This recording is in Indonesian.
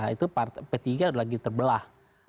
itu p tiga lagi terbelah